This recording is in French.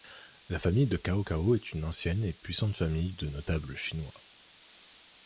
La famille de Cao Cao est une ancienne et puissante famille de notables chinois.